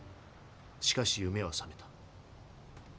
しかし夢はさめた。